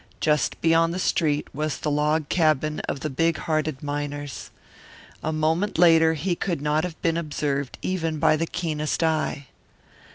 Just beyond the street was the log cabin of the big hearted miners. A moment later he could not have been observed even by the keenest eye.